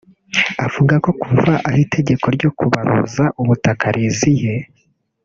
uvuga ko kuva aho itegeko ryo kubaruza ubutaka riziye